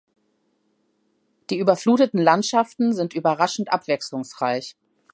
Die überfluteten Landschaften sind überraschend abwechslungsreich.